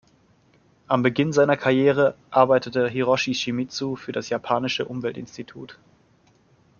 Am Beginn seiner Karriere arbeitete Hiroshi Shimizu für das japanische Umweltinstitut.